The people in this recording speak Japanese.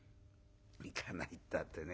「行かないったってね